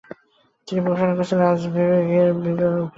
তিনি ঘোষণা করেছেন, রাজ্যভাগের বিল পাস হলে তিনি রাজনীতি ছেড়ে দেবেন।